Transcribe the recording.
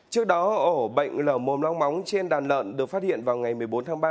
trước đó ổ bệnh lở mồm long móng trên đàn lợn được phát hiện vào ngày một mươi bốn tháng ba